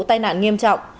tai nạn nghiêm trọng